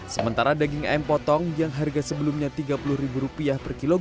sementara daging ayam potong yang harga sebelumnya rp tiga puluh